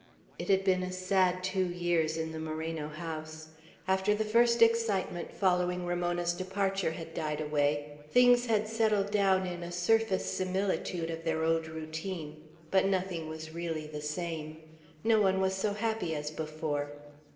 It had been a sad two years in the Moreno house. After the first excitement following Ramona's departure had died away, things had settled down in a surface similitude of their old routine. But nothing was really the same. No one was so happy as before.